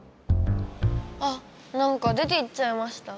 あなんか出ていっちゃいました。